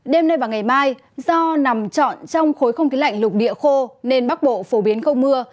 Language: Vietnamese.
đêm nay và ngày mai do nằm trọn trong khối không khí lạnh lục địa khô nên bắc bộ phổ biến không mưa